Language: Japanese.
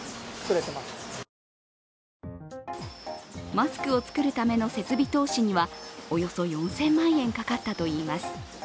マスクを作るための設備投資にはおよそ４０００万円かかったといいます。